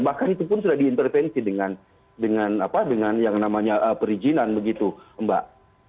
bahkan itu pun sudah diintervensi dengan dengan apa dengan yang namanya perizinan begitu mbak